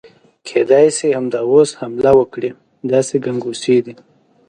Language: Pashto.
کېدای شي همدا اوس حمله وکړي، داسې ګنګوسې دي.